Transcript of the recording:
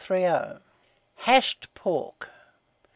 HASHED PORK.